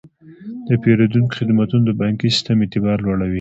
د پیرودونکو خدمتونه د بانکي سیستم اعتبار لوړوي.